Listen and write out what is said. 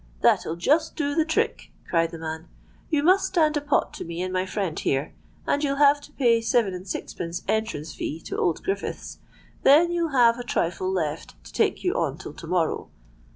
—'That'll just do the trick!' cried the man: 'you must stand a pot to me and my friend here; and you'll have to pay seven and sixpence entrance fee to old Griffiths. Then you'll have a trifle left to take you on till to morrow.'